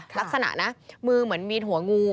ลักษณะนะมือเหมือนมีหัวงู